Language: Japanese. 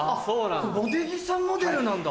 これ茂出木さんモデルなんだ。